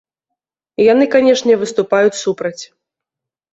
Яны, канешне, выступаюць супраць.